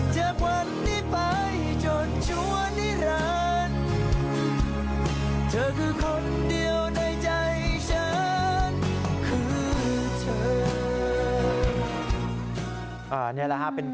จากวันนี้ไปจนช่วงนี้ละก่อน